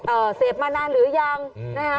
เสพมานานหรือยังนะคะ